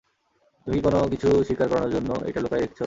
তুমি কি কোন কিছু স্বীকার করানোর জন্য এইটা লুকায় রেখেছ?